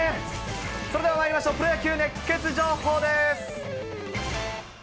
それではまいりましょう、プロ野球熱ケツ情報です。